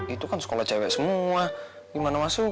itu kan sekolah cewek semua gimana masuk